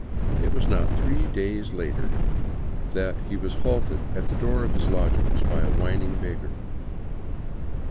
It was not three days later that he was halted at the door of his lodgings by a whining beggar.